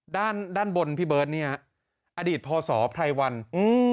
ด้านด้านบนพี่เบิร์ตเนี้ยอดีตพศไพรวันอืม